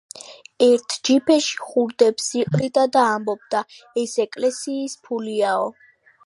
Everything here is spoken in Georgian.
ერთ ჯიბეში ხურდებს იყრიდა და ამბობდა, ეს ეკლესიის ფულიაო.